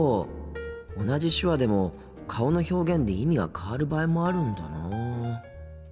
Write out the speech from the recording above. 同じ手話でも顔の表現で意味が変わる場合もあるんだなあ。